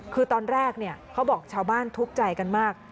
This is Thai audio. คือตอนแรกเขาบอกชาวบ้านทุกข์ใจกันมาก